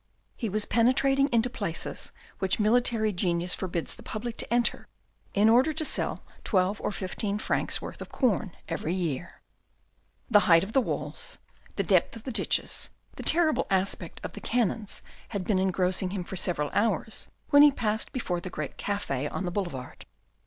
He was penetrating into places which military genius forbids the public to enter, in order to sell twelve or fifteen francs worth of corn every year. The height of the walls, the depth of the ditches, the terrible aspect of the cannons had been engrossing him for several hours when he passed before the great cafe on the boulevard.